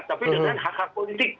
tapi dengan hak hak politik